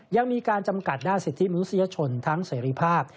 ยังมีการจำกัดด้านสิทธิมนุษยชนทั้งเสรีภาพ